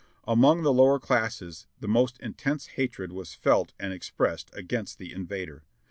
Among the lower classes the most intense hatred was felt and expressed against the invader.